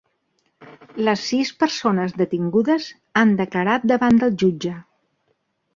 Les sis persones detingudes han declarat davant del jutge.